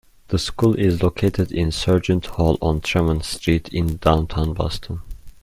The school is located in Sargent Hall on Tremont Street in downtown Boston.